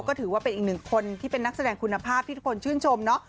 ก็ถือว่าเป็นอีกหนึ่งคนที่เป็นนักแสดงคุณภาพที่ทุกคนชื่นชมเนาะ